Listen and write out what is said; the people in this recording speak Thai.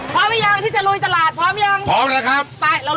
พร้อมหรือยังที่จะลุยตลาดพร้อมหรือยัง